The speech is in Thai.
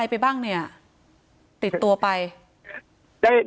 หายจริงหายจริงหายจริงหายจริงหายจริง